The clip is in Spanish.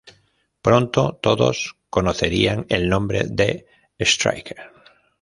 Pronto todos conocerían el nombre de Stryker.